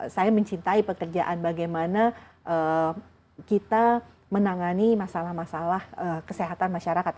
saya mencintai pekerjaan bagaimana kita menangani masalah masalah kesehatan masyarakat